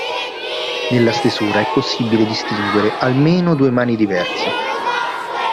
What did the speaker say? Nella stesura è possibile distinguere almeno due mani diverse.